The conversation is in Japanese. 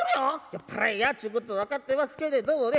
酔っ払いやっちゅうことは分かってますけれどもね